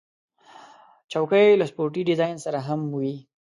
چوکۍ له سپورټي ډیزاین سره هم وي.